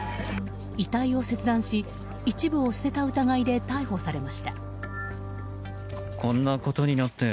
遺体を切断し一部を捨てた疑いで逮捕されました。